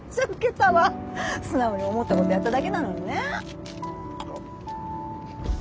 素直に思ったことやっただけなのにね。